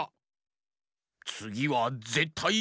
つぎはぜったい。